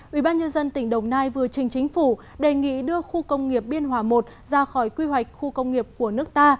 ubnd tỉnh đồng nai vừa trình chính phủ đề nghị đưa khu công nghiệp biên hòa i ra khỏi quy hoạch khu công nghiệp của nước ta